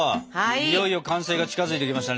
いよいよ完成が近づいてきましたね！